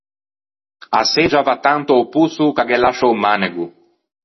A seggia a va tanto a-o posso ch’a ghe lascia o manego.